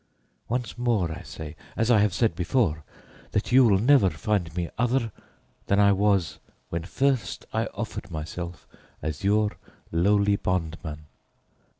Once more I say, as I have said before, that you will never find me other than I was when first I offered myself as your lowly bondman.